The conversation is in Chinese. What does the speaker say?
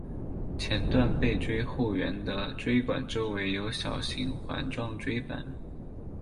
前段背椎后缘的椎管周围有小型环状椎版。